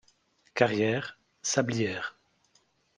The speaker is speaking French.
Carrières, sablières.